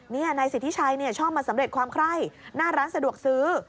นี่นายสิทธิชัยชอบมาสำเร็จความไคร้หน้าร้านสะดวกซื้อ